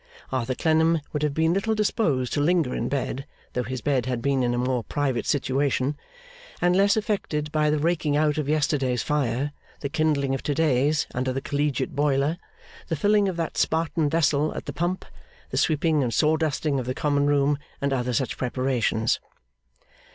Arthur Clennam would have been little disposed to linger in bed, though his bed had been in a more private situation, and less affected by the raking out of yesterday's fire, the kindling of to day's under the collegiate boiler, the filling of that Spartan vessel at the pump, the sweeping and sawdusting of the common room, and other such preparations.